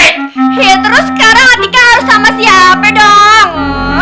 ya terus sekarang tike harus sama si ape dong